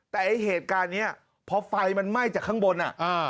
แต่ไอ้เหตุการณ์เนี้ยพอไฟมันไหม้จากข้างบนอ่ะอ่า